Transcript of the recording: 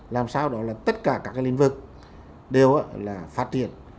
làm sao tất cả các lĩnh vực đều phát triển